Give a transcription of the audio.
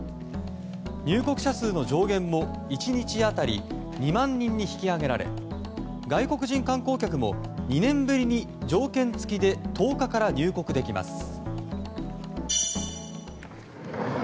入国者数の上限も１日当たり２万人に引き上げられ外国人観光客も２年ぶりに条件付きで１０日から入国できます。